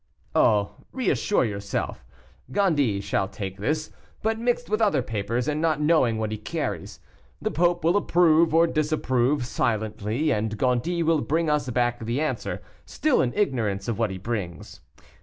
"Oh! reassure yourself. Gondy shall take this, but mixed with other papers, and not knowing what he carries. The Pope will approve, or disapprove, silently, and Gondy will bring us back the answer, still in ignorance of what he brings.